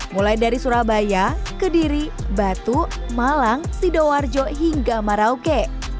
mulai dari surabaya kediri batu malang sidoarjo hingga marauke